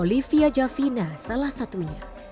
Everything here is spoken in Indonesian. olivia javina salah satunya